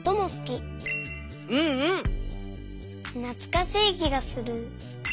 なつかしいきがする。